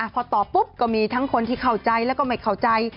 พอตอบปุ๊บก็มีทั้งคนที่เข้าใจแล้วก็ไม่เข้าใจ